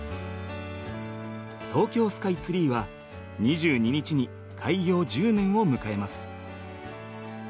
東京スカイツリーは２２日に開業１０年を迎えます。